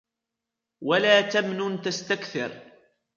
ولا تمنن تستكثر